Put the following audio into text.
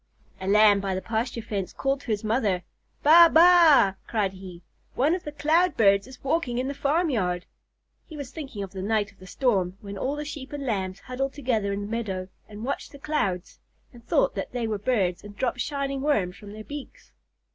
A Lamb by the pasture fence called to his mother. "Ba baa!" cried he. "One of the cloud birds is walking in the farmyard." He was thinking of the night of the storm, when all the Sheep and Lambs huddled together in the meadow and watched the clouds, and thought that they were birds and dropped shining worms from their beaks.